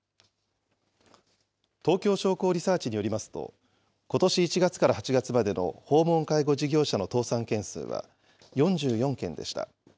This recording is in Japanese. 東京商工リサーチによりますと、ことし１月から８月までの訪問介護事業者の倒産件数は、４４件でした。